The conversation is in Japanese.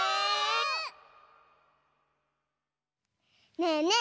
ねえねえ！